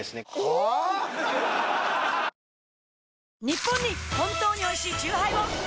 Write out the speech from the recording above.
ニッポンに本当においしいチューハイを！